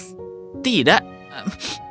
tidak aku tidak menangis kau yang menangis